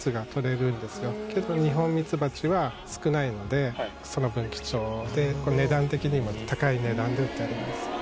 けどニホンミツバチは少ないのでその分貴重で値段的にも高い値段で売ってます。